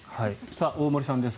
大森さんです。